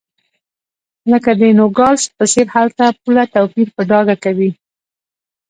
لکه د نوګالس په څېر هلته پوله توپیر په ډاګه کوي.